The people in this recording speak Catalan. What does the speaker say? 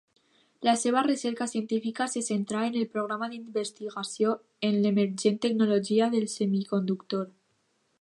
La seva recerca científica se centrà en el programa d'investigació en l'emergent tecnologia del semiconductor.